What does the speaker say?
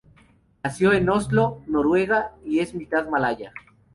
Nació en Oslo, Noruega, y es mitad malaya.